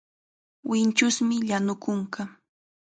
Winchusmi llanu kunka.